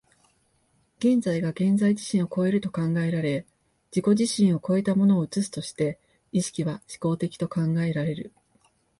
現在が現在自身を越えると考えられ、自己自身を越えたものを映すとして、意識は志向的と考えられる。